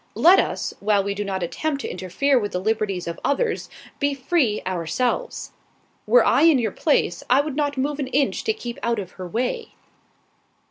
Let us, while we do not attempt to interfere with the liberties of others, be free ourselves. Were I in your place, I would not move an inch to keep out of her way."